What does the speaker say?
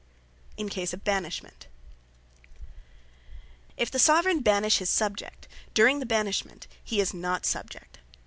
In Case Of Banishment If the Soveraign Banish his Subject; during the Banishment, he is not Subject.